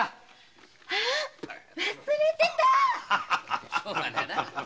あッ忘れてたァ！